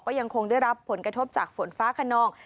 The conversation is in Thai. ก็ยังคงได้รับผลกระทบจากฝนฟ้าขนอง